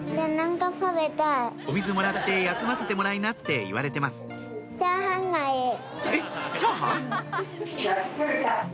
「お水もらって休ませてもらいな」って言われてますえっチャーハン？